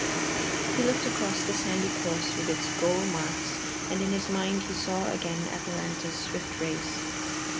He looked across the sandy course with its goal marks, and in his mind he saw again Atalanta's swift race.